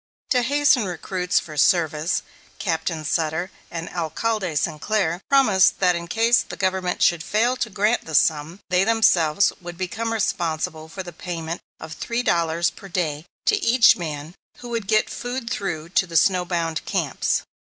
To hasten recruits for service, Captain Sutter and Alcalde Sinclair promised that in case the Government should fail to grant the sum, they themselves would become responsible for the payment of three dollars per day to each man who would get food through to the snow bound camps.